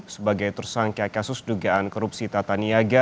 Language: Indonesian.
sebagai tersangka kasus dugaan korupsi tata niaga